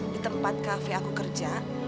di tempat kafe aku kerja